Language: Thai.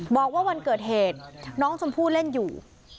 บอกว่าวันเกิดเหตุน้องชมพู่เล่นอยู่